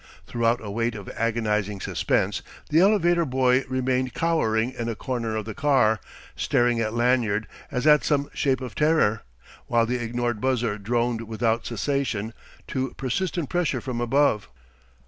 Throughout a wait of agonising suspense, the elevator boy remained cowering in a corner of the car, staring at Lanyard as at some shape of terror, while the ignored buzzer droned without cessation to persistent pressure from above.